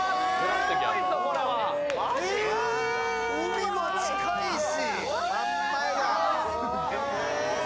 海も近いし。